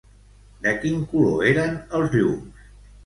De quin color eren els llums?